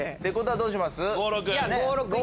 どうします？